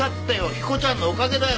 彦ちゃんのおかげだよ。